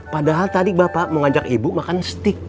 padahal tadi bapak mau ajak ibu makan steak